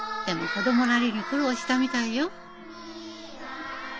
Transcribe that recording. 子供なりに苦労したみたいよ。